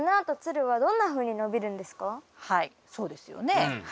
はいそうですよね。